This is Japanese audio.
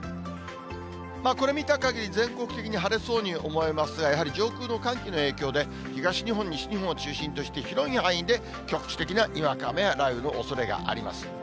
これ見たかぎり、全国的に晴れそうに思えますが、やはり上空の寒気の影響で、東日本、西日本を中心として、広い範囲で局地的なにわか雨や雷雨のおそれがあります。